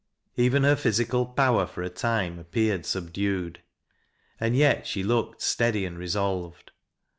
Even her physical power for a time appeared Bubdued. And yet she looked steady and resolved.